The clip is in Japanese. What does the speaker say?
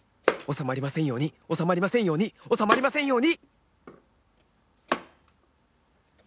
収まりませんように収まりませんように収まりませんように！